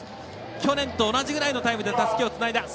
去年と同じぐらいのタイムでたすきをつないだ。